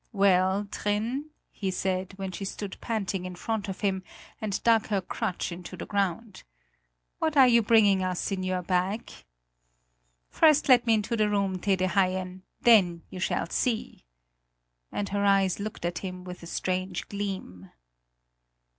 "Well, Trin!" he said, when she stood panting in front of him and dug her crutch into the ground, "What are you bringing us in your bag?" "First let me into the room, Tede Haien! Then you shall see!" and her eyes looked at him with a strange gleam.